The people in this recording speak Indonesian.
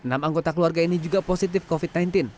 enam anggota keluarga ini juga positif covid sembilan belas